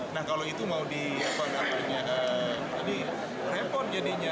nah kalau itu mau diapa apanya ini repot jadinya